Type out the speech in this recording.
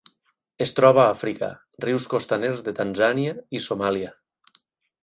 Es troba a Àfrica: rius costaners de Tanzània i Somàlia.